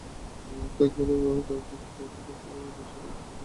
ব্যাংকগুলো কয়েন নিতে চাইছে না—যশোরের ব্যবসায়ীরা অনেক দিন ধরেই এমন অভিযোগ করছেন।